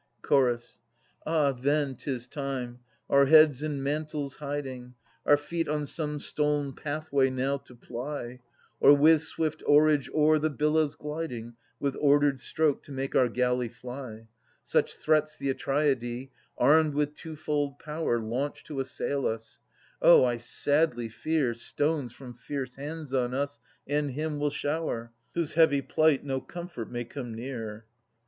Ch. Ah! then 'tis time, our heads in mantles hiding, Our feet on some stol'n pathway now to ply, Or with swift oarage o'er the billows gliding. With ordered stroke to make our galley fly. Such threats the Atreidae, armed with two fold power, Launch to assail us. Oh, I sadly fear Stones from fierce hands on us and him will shower. Whose heavy plight no comfort may come near.